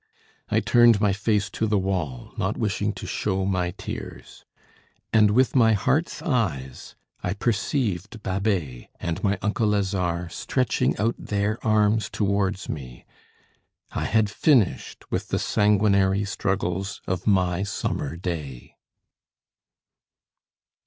I turned my face to the wall, not wishing to show my tears. And with my heart's eyes I perceived Babet and my uncle Lazare stretching out their arms towards me. I had finished with the sanguinary struggles of my summer day.